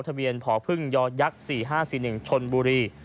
ทะเมียนพพึ่งยย๔๕๔๑ชนบุรี